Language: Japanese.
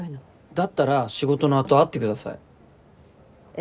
だったら仕事のあと会ってください。え？